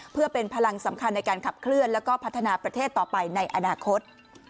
เพื่อเป็นพลังสำคัญในการขับเคลื่อนแล้วก็พัฒนาประเทศต่อไปในอนาคต